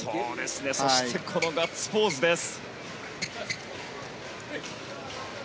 そしてこのガッツポーズです。